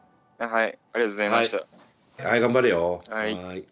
はい。